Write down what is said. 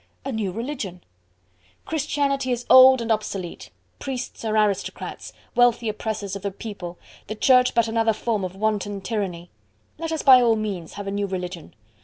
A new religion! Christianity is old and obsolete, priests are aristocrats, wealthy oppressors of the People, the Church but another form of wanton tyranny. Let us by all means have a new religion.